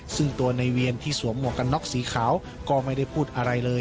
ซึ่งตัวในเวียนที่สวมหมวกกันน็อกสีขาวก็ไม่ได้พูดอะไรเลย